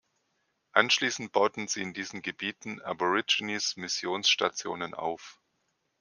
Anschließend bauten sie in diesen Gebieten Aborigines-Missionsstationen auf.